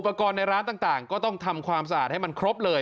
กรณ์ในร้านต่างก็ต้องทำความสะอาดให้มันครบเลย